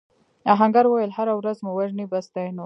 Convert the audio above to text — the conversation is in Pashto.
آهنګر وویل هره ورځ مو وژني بس دی نور.